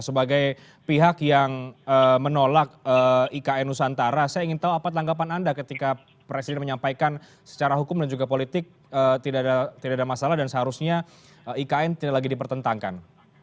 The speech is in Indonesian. sebagai pihak yang menolak ikn nusantara saya ingin tahu apa tanggapan anda ketika presiden menyampaikan secara hukum dan juga politik tidak ada masalah dan seharusnya ikn tidak lagi dipertentangkan